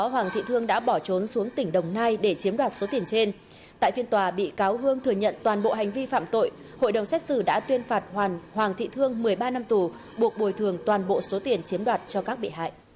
hãy đăng ký kênh để ủng hộ kênh của chúng mình nhé